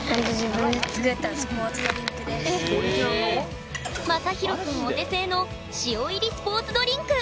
マジで⁉まさひろくんお手製の「塩」入りスポーツドリンク！